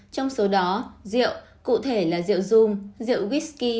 trong số đó rượu cụ thể là rượu zoom rượu whiskey